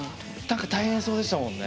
何か大変そうでしたもんね